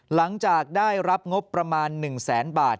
หลังจากได้รับงบประมาณ๑แสนบาท